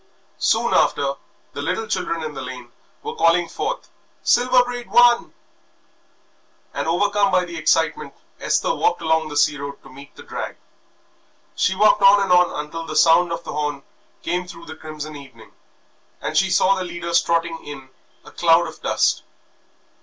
Soon after the little children in the lane were calling forth "Silver Braid won!" And overcome by the excitement Esther walked along the sea road to meet the drag. She walked on and on until the sound of the horn came through the crimson evening and she saw the leaders trotting in a cloud of dust.